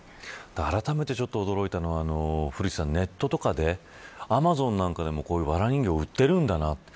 あらためて、ちょっと驚いたのは古市さんネットとかでアマゾンなんかでもこういうわら人形って売ってるんだなって